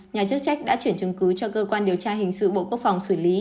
nhà chức trách đã chuyển chứng cứ cho cơ quan điều tra hình sự bộ quốc phòng xử lý